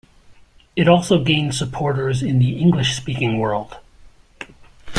It also gained supporters in the English-speaking world.